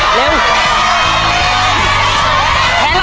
ครับคุณ